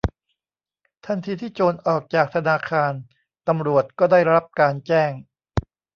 ทันทีที่โจรออกจากธนาคาร ตำรวจก็ได้รับการแจ้ง